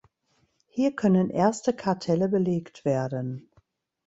Hier können erste Kartelle belegt werden.